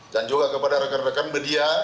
dan juga kepada rekan rekan media